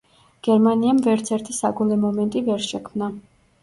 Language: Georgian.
გერმანიამ ვერცერთი საგოლე მომენტი ვერ შექმნა.